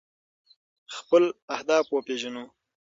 خپل اهداف وپیژنو.